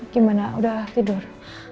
gimana udah tidur